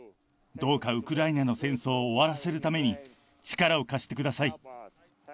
どうかウクライナの戦争を終わらせるために力を貸してください。